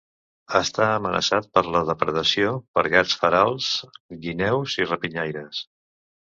Està amenaçat per la depredació per gats ferals, guineus i rapinyaires.